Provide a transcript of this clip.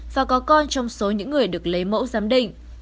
và có con trong số những người được lấy mẫu giám định